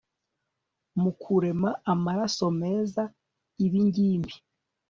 mu kurema amaraso meza Ibingibi